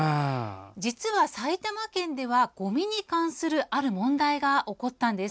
実は埼玉県では、ごみに関するある問題が起こったんです。